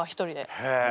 へえ。